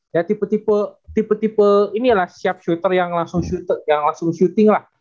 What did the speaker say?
ya tipe tipe ini lah siap shooter yang langsung shooting lah